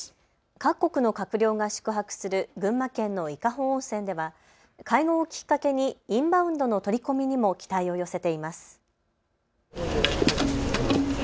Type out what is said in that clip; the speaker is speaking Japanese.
各国の閣僚が宿泊する群馬県の伊香保温泉では会合をきっかけにインバウンドの取り込みにも期待を寄せています。